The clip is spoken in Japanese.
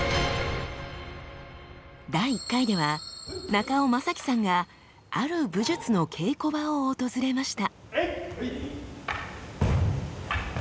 第１回では中尾暢樹さんがある武術の稽古場を訪れました。